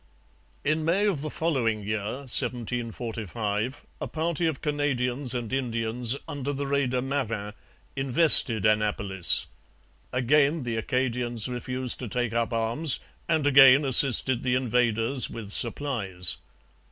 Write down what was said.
In May of the following year (1745) a party of Canadians and Indians, under the raider Marin, invested Annapolis. Again the Acadians refused to take up arms and again assisted the invaders with supplies.